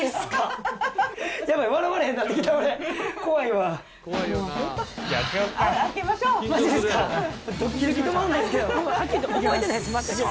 「はっきり言って覚えてないです全く」